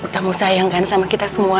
kamu sayangkan sama kita semua